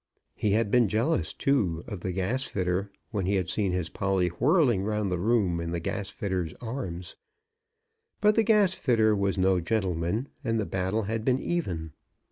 He had been jealous, too, of the gasfitter, when he had seen his Polly whirling round the room in the gasfitter's arms; but the gasfitter was no gentleman, and the battle had been even.